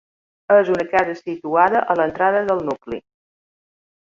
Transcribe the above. És una casa situada a l'entrada del nucli.